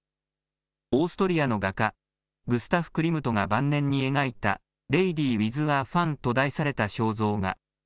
オーストリアの画家、グスタフ・クリムトが晩年に描いたＬａｄｙｗｉｔｈａＦａｎと題された肖像画。